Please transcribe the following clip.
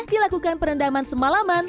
dilakukan perendaman semalaman